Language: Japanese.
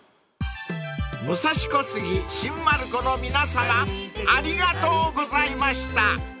［武蔵小杉新丸子の皆さまありがとうございました］